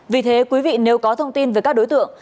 vì thế quý vị nếu có thông tin về các đối tượng